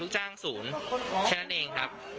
ช่างสูญแค่นั้นเองครับ